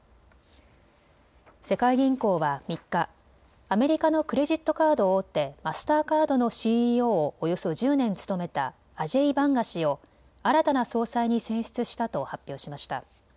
世界銀行は３日、アメリカのクレジットカード大手、マスターカードのＣＥＯをおよそ１０年務めたアジェイ・バンガ氏を新たな総裁に選出したと発表しました。